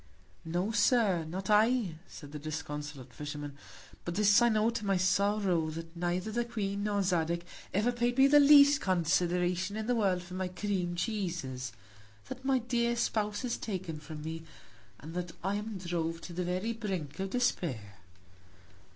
No Sir, not I, said the disconsolate Fisherman; but this I know, to my Sorrow, that neither the Queen, nor Zadig, ever paid me the least Consideration in the World for my Cream Cheeses; that my dear Spouse is taken from me; and that I am drove to the very Brink of Despair.